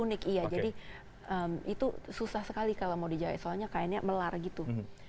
unik iya jadi itu susah sekali kalau mau dijawai soalnya kainnya melar gitu